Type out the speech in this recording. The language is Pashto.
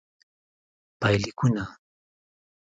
پایلیکونه: